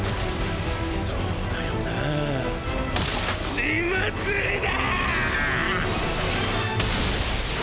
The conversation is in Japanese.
そうだよなぁ血祭りだ！